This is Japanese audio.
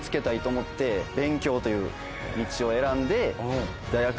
勉強という道を選んで。